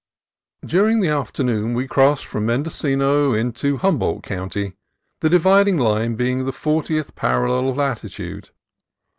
During the afternoon we crossed from Mendocino into Humboldt County, the dividing line being the fortieth parallel of latitude.